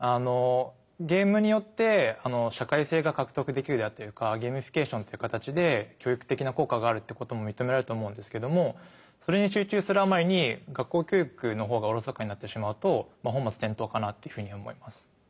ゲームによって社会性が獲得できるであったりとかゲーミフィケーションっていう形で教育的な効果があるってことも認められると思うんですけどもそれに集中するあまりに学校教育の方がおろそかになってしまうと本末転倒かなっていうふうに思います。